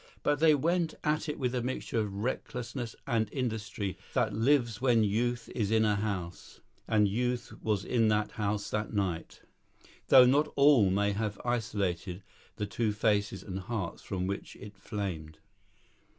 But they went at it with that mixture of recklessness and industry that lives when youth is in a house; and youth was in that house that night, though not all may have isolated the two faces and hearts from which it flamed.